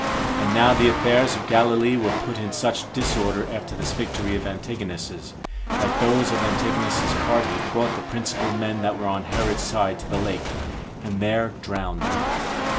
And now the affairs of Galilee were put in such disorder after this victory of Antigonus's, that those of Antigonus's party brought the principal men that were on Herod's side to the lake, and there drowned them.